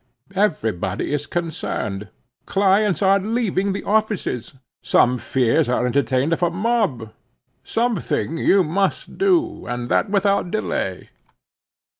Every body is concerned; clients are leaving the offices; some fears are entertained of a mob; something you must do, and that without delay."